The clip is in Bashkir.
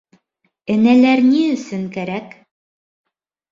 Энәләр ни өсөн кәрәк?